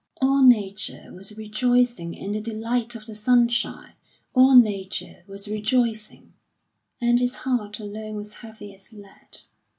All Nature was rejoicing in the delight of the sunshine; all Nature was rejoicing, and his heart alone was heavy as lead.